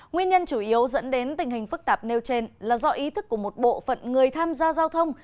nguyên nhân chủ yếu dẫn đến tình hình phức tạp nêu trên là do ý thức của một bộ phận người tham gia giao thông